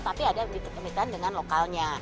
tapi ada kemitraan dengan lokalnya